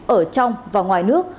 ở trong và ngoài nước